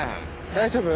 大丈夫？